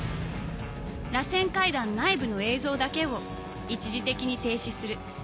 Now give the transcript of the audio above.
らせん階段内部の映像だけを一時的に停止する